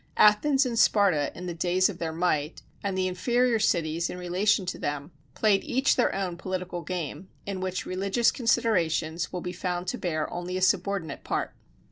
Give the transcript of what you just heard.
Athens and Sparta in the days of their might, and the inferior cities in relation to them, played each their own political game, in which religious considerations will be found to bear only a subordinate part.